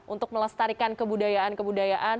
untuk melestarikan kebudayaan kebudayaan